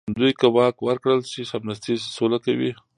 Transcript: دوی که واک ورکړل شي، سمدستي سوله کوي.